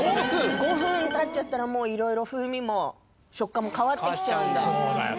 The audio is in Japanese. ５分たっちゃったらもういろいろ風味も食感も変わってきちゃうんだそうだよ